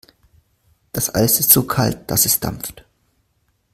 Das Eis ist so kalt, dass es dampft.